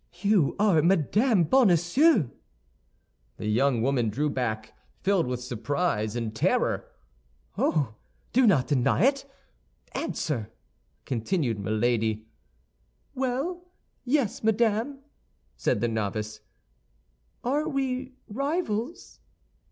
You are Madame Bonacieux!" The young woman drew back, filled with surprise and terror. "Oh, do not deny it! Answer!" continued Milady. "Well, yes, madame," said the novice, "Are we rivals?"